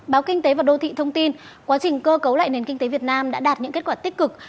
báo kinh tế và đô thị thông tin quá trình cơ cấu lại nền kinh tế việt nam đã đạt những kết quả tích cực